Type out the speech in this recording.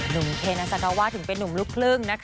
หนุ่มเพนอัสกาวาถึงเป็นนุ่มลูกลึ่ม